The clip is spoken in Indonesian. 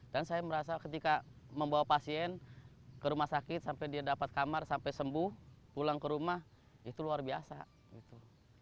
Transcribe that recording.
saya merasa ketika membawa pasien ke rumah sakit sampai dia dapat kamar sampai sembuh pulang ke rumah itu luar biasa gitu